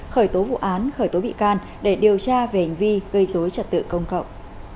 khởi tố vụ án khởi tố bị can để điều tra về hành vi gây dối trật tự công cộng